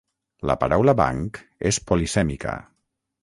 La paraula banc és polisèmica.